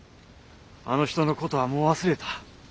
あの人のことはもう忘れた。